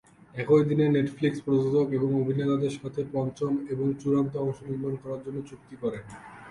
একই দিনে নেটফ্লিক্স প্রযোজক এবং অভিনেতাদের সাথে পঞ্চম এবং চূড়ান্ত অংশ নির্মাণ করার জন্য চুক্তি করে।